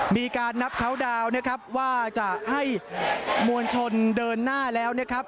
มีการนับเคาน์ดาวน์นะครับว่าจะให้มวลชนเดินหน้าแล้วนะครับ